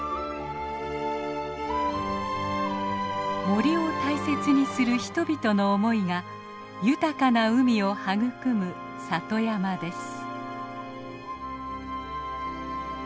森を大切にする人々の思いが豊かな海を育む里山です。